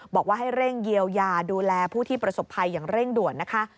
บอกว่าให้เร่งเยียวยาดูแลผู้ที่ประสบภัยอย่างเร่งด่วนนะคะ